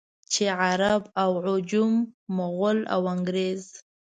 چې عرب او عجم، مغل او انګرېز.